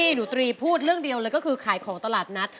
หนูตรีพูดเรื่องเดียวเลยก็คือขายของตลาดนัด